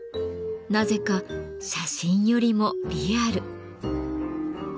なぜか写真よりもリアル。